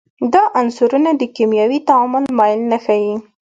دا عنصرونه د کیمیاوي تعامل میل نه ښیي.